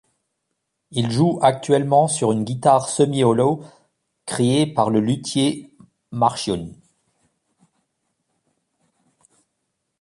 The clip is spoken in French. Il joue actuellement sur une guitare semi-hollow créée par le luthier Marchione.